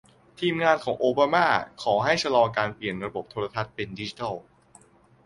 ทีมงานของโอบามาขอให้ชะลอการเปลี่ยนระบบโทรทัศน์เป็นดิจิทัล